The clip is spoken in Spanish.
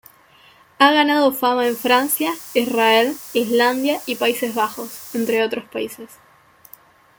Ha ganado fama en Francia, Israel, Islandia y Países Bajos, entre otros países.